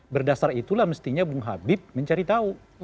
berdasar itulah mestinya bung habib mencari tahu